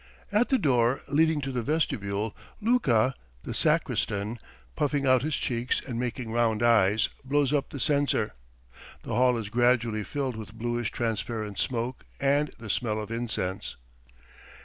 At the door leading to the vestibule, Luka, the sacristan, puffing out his cheeks and making round eyes, blows up the censer. The hall is gradually filled with bluish transparent smoke and the smell of incense.